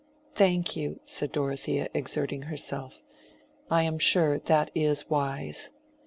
"Thank you," said Dorothea, exerting herself, "I am sure that is wise.